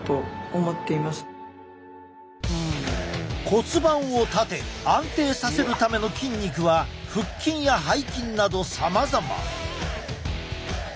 骨盤を立て安定させるための筋肉は腹筋や背筋などさまざま。